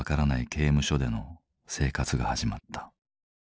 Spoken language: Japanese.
刑務所での生活が始まった。